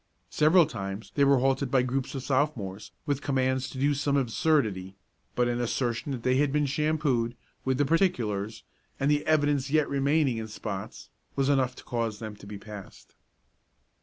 Several times they were halted by groups of Sophomores, with commands to do some absurdity, but an assertion that they had been shampooed, with the particulars, and the evidence yet remaining in spots, was enough to cause them to be passed.